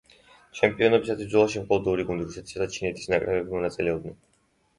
ჩემპიონობისათვის ბრძოლაში მხოლოდ ორი გუნდი, რუსეთის და ჩინეთის ნაკრებები მონაწილეობდნენ.